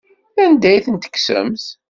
Anda ay ten-tekksemt?